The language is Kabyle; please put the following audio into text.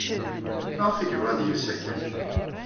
Maɣef ay yebɣa ad yels akken?